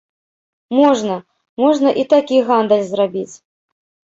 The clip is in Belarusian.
Можна, можна і такі гандаль зрабіць.